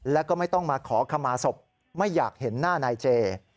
แล้วก็ไม่ต้องมาขอขมาศพไม่อยากเห็นหน้านายเจ